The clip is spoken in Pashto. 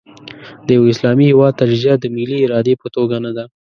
د یوه اسلامي هېواد تجزیه د ملي ارادې په توګه نه ده.